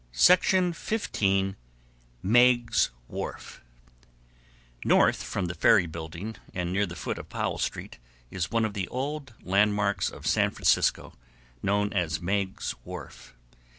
Meiggs' Wharf North from the ferry building, and near the foot of Powell Street, is one of the old landmarks of San Francisco, known as Meiggs' Wharf.